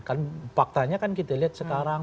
kan faktanya kan kita lihat sekarang